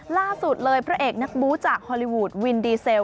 ล่าสุดเลยพระเอกนักบู้จากฮอลลีวูดวินดีเซล